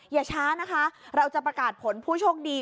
อย่าช้านะคะเราจะประกาศผลผู้โชคดี